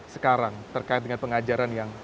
sekarang terkait dengan pengajaran yang